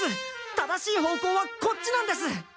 正しい方向はこっちなんです。